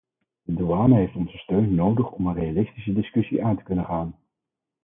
De douane heeft onze steun nodig om een realistische discussie aan te kunnen gaan.